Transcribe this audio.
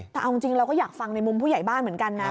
แต่เอาจริงเราก็อยากฟังในมุมผู้ใหญ่บ้านเหมือนกันนะ